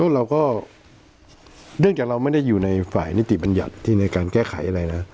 เราก็เนื่องจากเราไม่ได้อยู่ในฝ่ายนิติบัญญัติที่ในการแก้ไขอะไรนะ